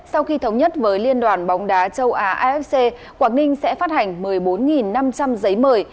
sau khi thống nhất với liên đoàn bóng đá châu á afc quảng ninh sẽ phát hành một mươi bốn năm trăm linh giấy mời